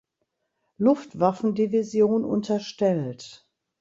Luftwaffendivision unterstellt.